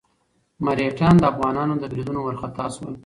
مرهټیان د افغانانو له بريدونو وارخطا شول.